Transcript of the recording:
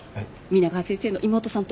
皆川先生の妹さんと。